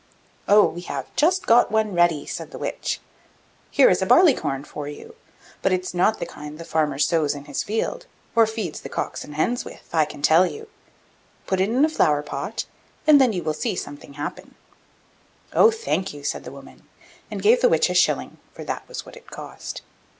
'Oh, we have just got one ready!' said the Witch. 'Here is a barley corn for you, but it's not the kind the farmer sows in his field, or feeds the cocks and hens with, I can tell you. Put it in a flower pot, and then you will see something happen.' 'Oh, thank you!' said the woman, and gave the Witch a shilling, for that was what it cost.